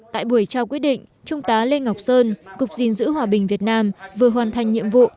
tại buổi trao quyết định trung tá lê ngọc sơn cục dình dữ hòa bình việt nam vừa hoàn thành nhiệm vụ